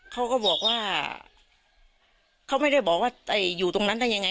เขาก็บอกว่าเขาไม่ได้บอกว่าอยู่ตรงนั้นได้ยังไง